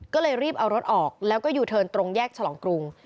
ก็เลยรีบเอารถออกแล้วก็ยูเทิร์นตรงแยกฉลองกรุง